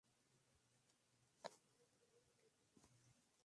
Solo recientemente el trabajo se ha atribuido con seguridad a Miguel Ángel.